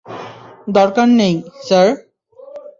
দরকার নেই, - স্যার!